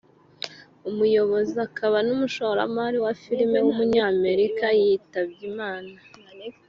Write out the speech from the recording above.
umuyobozi akaba n’umushoramari wa film w’umunyamerika yitabye Imana